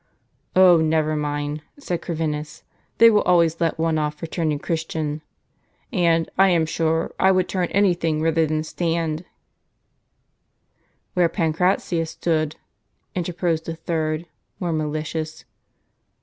" Oh, never mind," said Corvinus, " they will always let one off for turning Christian. And, I am sure, I would turn any thing, rather than stand —" "Where Pancratius stood," interposed a third, more malicious.